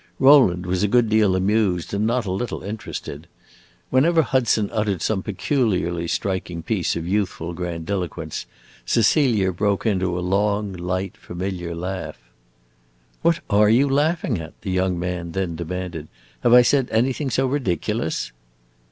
Rowland was a good deal amused and not a little interested. Whenever Hudson uttered some peculiarly striking piece of youthful grandiloquence, Cecilia broke into a long, light, familiar laugh. "What are you laughing at?" the young man then demanded. "Have I said anything so ridiculous?"